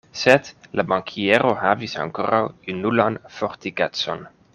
Sed la bankiero havis ankoraŭ junulan fortikecon.